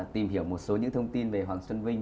tìm hiểu một số những thông tin về hoàng xuân vinh